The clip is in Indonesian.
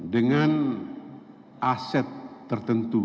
dengan aset tertentu